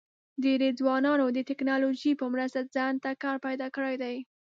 ډېری ځوانانو د ټیکنالوژۍ په مرسته ځان ته کار پیدا کړی دی.